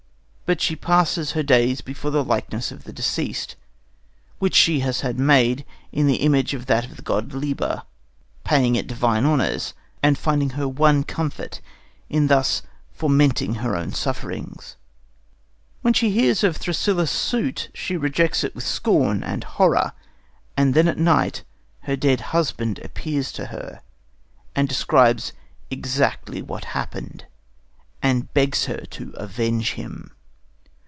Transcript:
But she passes her days before the likeness of the deceased, which she has had made in the image of that of the god Liber, paying it divine honours and finding her one comfort in thus fomenting her own sufferings. When she hears of Thrasyllus's suit, she rejects it with scorn and horror; and then at night her dead husband appears to her and describes exactly what happened, and begs her to avenge him.